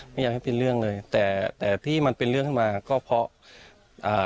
ไม่อยากให้เป็นเรื่องเลยแต่แต่ที่มันเป็นเรื่องขึ้นมาก็เพราะอ่า